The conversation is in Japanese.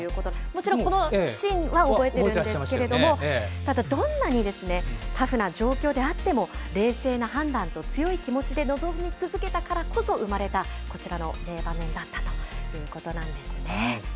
もちろんこのシーンは覚えてるんですけれども、ただ、どんなにタフな状況であっても、冷静な判断と強い気持ちで臨み続けたからこそ生まれたこちらのメイ場面だったということなんですね。